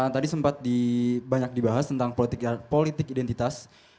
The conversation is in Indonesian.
tadi sempat banyak dibahas tentang politik identitas